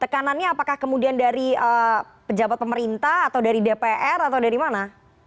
tekanannya apakah kemudian dari pejabat pemerintah atau dari dpr atau dari mana